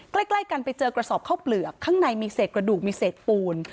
ใกล้กันไปเจอกระสอบเข้าเปลือกข้างในมีเศษกระดูกมีเศษปูน